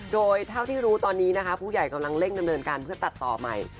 โดยเท่าที่รู้ตอนนี้นะคะผู้ใหญ่กำลังเร่งดำเนินการเพื่อตัดต่อใหม่